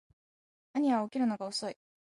兄は起きるのが遅い